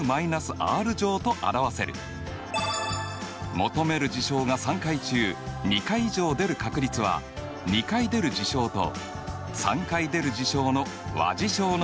求める事象が３回中２回以上出る確率は２回出る事象と３回出る事象の和事象の確率になります。